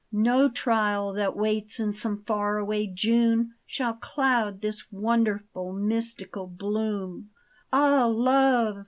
No trial that waits in some far away June Shall cloud this wonderful, mystical bloom. Ah, love